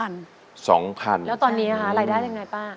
แล้วตอนนี้นะคะรายได้ยังไงป้า